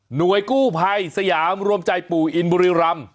หน่วยกู้ภัยสยามรวมใจปู่อินบุรีรัม